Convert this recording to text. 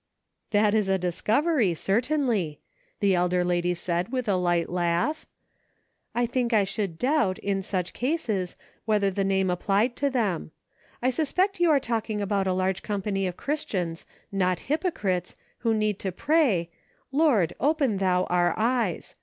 " That is a discovery, certainly," the elder lady said, with a light laugh ;*' I think I should doubt, in such cases, whether the name applied to them. I suspect you are talking about a large company of Christians, not hypocrites, who need to pray, — 'Lord, open thou our eyes.'